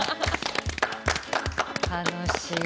楽しい。